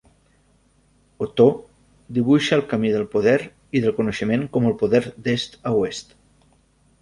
Otó dibuixa el camí del poder i del coneixement com el poder d'est a oest.